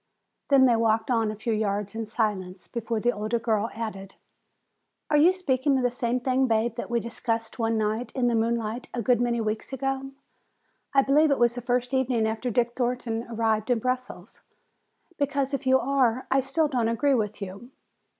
Then they walked on a few yards in silence before the older girl added: "Are you speaking of the same thing, Bab, that we discussed one night in the moonlight a good many weeks ago? I believe it was the first evening after Dick Thornton arrived in Brussels? Because if you are, I still don't agree with you.